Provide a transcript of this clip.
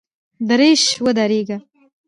درایش ودرېږه !!